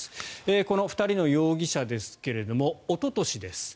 この２人の容疑者ですけどおととしです。